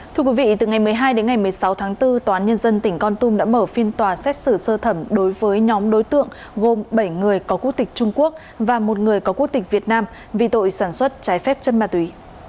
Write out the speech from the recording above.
thưa quý vị từ ngày một mươi hai đến ngày một mươi sáu tháng bốn tòa án nhân dân tỉnh con tum đã mở phiên tòa xét xử sơ thẩm đối với nhóm đối tượng gồm bảy người có quốc tịch trung quốc và một người có quốc tịch việt nam vì tội sản xuất trái phép chân ma túy